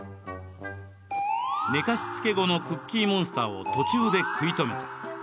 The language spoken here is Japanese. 「寝かしつけ後のクッキーモンスターを途中で食い止めた。